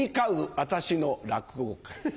私の落語会。